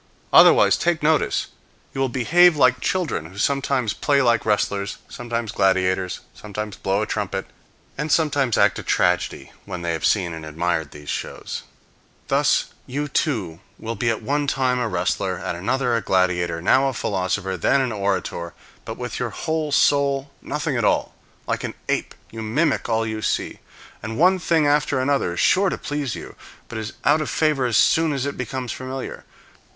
Otherwise, take notice, you will behave like children who sometimes play like wrestlers, sometimes gladiators, sometimes blow a trumpet, and sometimes act a tragedy when they have seen and admired these shows. Thus you too will be at one time a wrestler, at another a gladiator, now a philosopher, then an orator; but with your whole soul, nothing at all. Like an ape, you mimic all you see, and one thing after another is sure to please you, but is out of favor as soon as it becomes familiar.